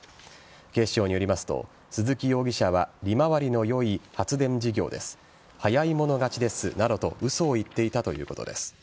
警視庁によりますと鈴木容疑者は利回りの良い発電事業です早い者勝ちですなどと嘘を言っていたということです。